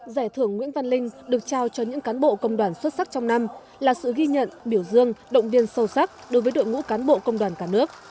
giải thưởng nguyễn văn linh được trao cho những cán bộ công đoàn xuất sắc trong năm là sự ghi nhận biểu dương động viên sâu sắc đối với đội ngũ cán bộ công đoàn cả nước